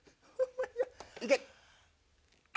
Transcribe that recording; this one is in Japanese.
いけ！